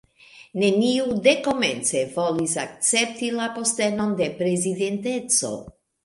Neniu dekomence volis akcepti la postenon de prezidenteco.